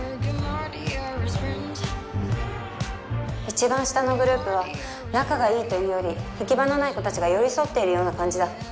一番下のグループは仲が良いというより行き場のない子たちが寄り添っているような感じだ。